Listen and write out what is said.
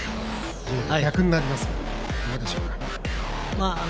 順、逆になりますがどうでしょうか。